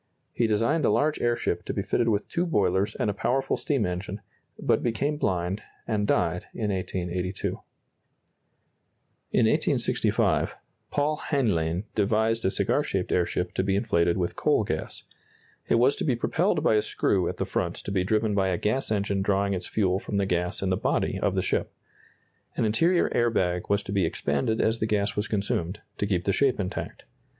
He designed a large airship to be fitted with two boilers and a powerful steam engine, but became blind, and died in 1882. [Illustration: The Haenlein airship inflated with coal gas and driven by a gas engine.] In 1865, Paul Haenlein devised a cigar shaped airship to be inflated with coal gas. It was to be propelled by a screw at the front to be driven by a gas engine drawing its fuel from the gas in the body of the ship. An interior air bag was to be expanded as the gas was consumed, to keep the shape intact.